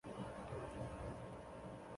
她的父亲是广东茂名政协委员梁平。